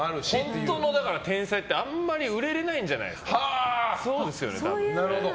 本当の天才ってあまり売れないんじゃないかな。